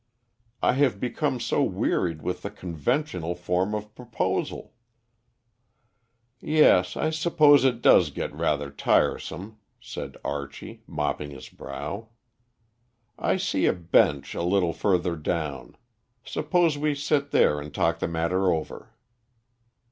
I have become so wearied with the conventional form of proposal." "Yes, I suppose it does get rather tiresome," said Archie, mopping his brow. "I see a bench a little further down; suppose we sit there and talk the matter over."